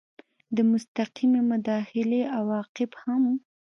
د مستقیې مداخلې عواقب هم